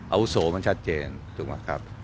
อาวุศวมันชัดเจนถูกมั้ยครับ